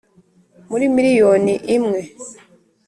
muri miriyoni imwe